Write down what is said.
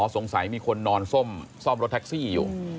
อ๋อสงสัยมีคนนอนซ่อมซ่อมรถแท็กซี่อยู่